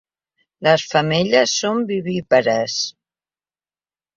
Les femelles són vivípares.